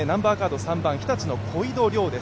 ３番、日立の小井戸涼です。